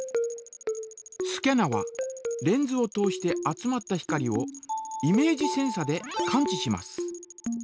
スキャナはレンズを通して集まった光をイメージセンサで感知します。